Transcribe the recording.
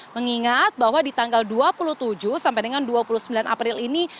mengingat bahwa di tanggal dua puluh tujuh sampai dengan dua puluh sembilan april ini